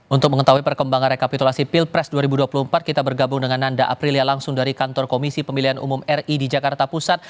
untuk mengetahui perkembangan rekapitulasi pilpres dua ribu dua puluh empat kita bergabung dengan nanda aprilia langsung dari kantor komisi pemilihan umum ri di jakarta pusat